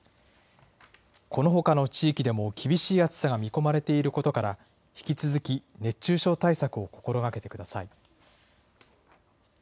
このほかの地域でも厳しい暑さが見込まれていることから、引き続き、熱中症対策を心がけてください。